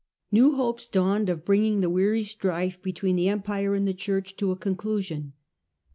New hopes dawned of bringing the weary strife between the Empire and the Church to a conclusion.